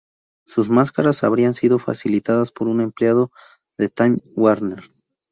Sus máscaras habrían sido facilitadas por un empleado de Time Warner.